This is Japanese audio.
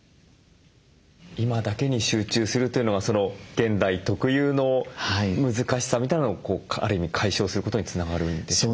今だけに集中するというのは現代特有の難しさみたいなのをある意味解消することにつながるんでしょうか？